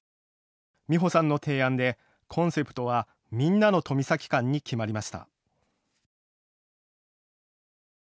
美歩さんの提案でコンセプトはみんなの富崎館に決まりました。